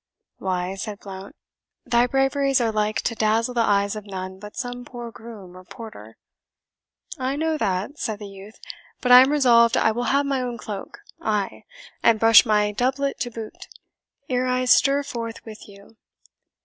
"Why," Said Blount, "thy braveries are like to dazzle the eyes of none but some poor groom or porter." "I know that," said the youth; "but I am resolved I will have my own cloak, ay, and brush my doublet to boot, ere I stir forth with you."